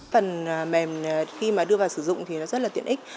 phần mềm khi mà đưa vào sử dụng thì nó rất là tiện ích